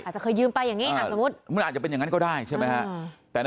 อาจจะเคยยืมไปอย่างนี้อ่ะสมมุติ